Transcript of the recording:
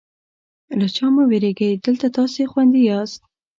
له چا مه وېرېږئ، دلته تاسې خوندي یاست.